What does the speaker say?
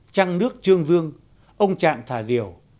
trăng nước trương dương ông trạng thà điều